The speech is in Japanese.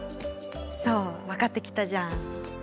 そう分かってきたじゃん！